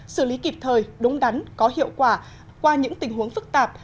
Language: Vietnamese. xử lý kịp thời đúng đắn có hiệu quả qua những tình huống phức tạp